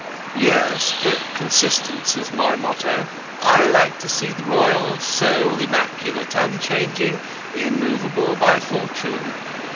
"Yes; but consistency's my motto. I like to see the royal soul immaculate, unchanging, immovable by fortune.